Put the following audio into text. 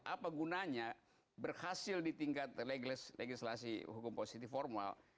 apa gunanya berhasil di tingkat legislasi hukum positif formal